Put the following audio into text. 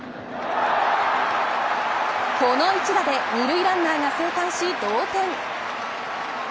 この一打で２塁ランナーが生還し同点。